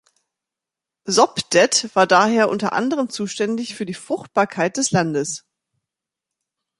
Sopdet war daher unter anderem zuständig für die Fruchtbarkeit des Landes.